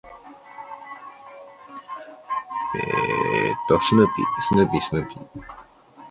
窝头以前是底层平民常用的食品。